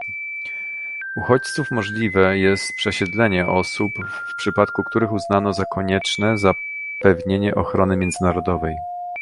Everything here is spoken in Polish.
Uchodźców możliwe jest przesiedlenie osób, w przypadku których uznano za konieczne zapewnienie ochrony międzynarodowej